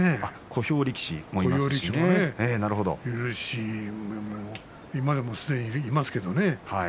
小兵もいるし今でもすでにいますけれどね。